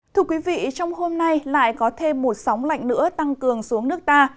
thưa quý vị trong hôm nay lại có thêm một sóng lạnh nữa tăng cường xuống nước ta